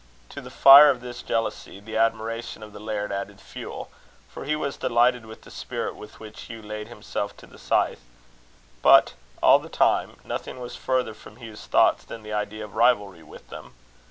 To the fire of this jealousy, the admiration of the laird added fuel; for he was delighted with the spirit with which Hugh laid himself to the scythe. But all the time, nothing was further from Hugh's thoughts than the idea of rivalry with them.